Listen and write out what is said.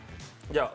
じゃあ。